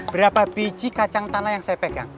berapa biji kacang tanah yang saya pegang